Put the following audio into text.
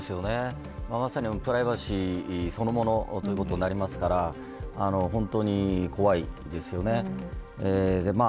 まさにプライバシーそのものということになりますから本当に怖いですよね。